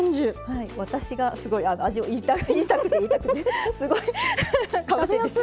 はい私がすごい味を言いたくて言いたくてすごいかぶせて。